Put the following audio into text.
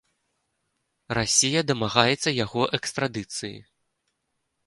Расія дамагаецца яго экстрадыцыі.